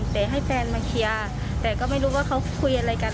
แต่ให้แฟนมาเคลียร์แต่ก็ไม่รู้ว่าเขาคุยอะไรกัน